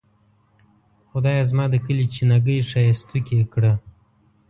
خدایه زما د کلي چینه ګۍ ښائستوکې کړه.